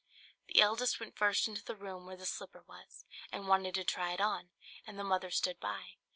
The eldest went first into the room where the slipper was, and wanted to try it on, and the mother stood by.